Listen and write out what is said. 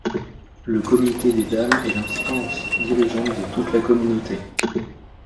Le comité des Dames est l’instance dirigeante de toute la Communauté.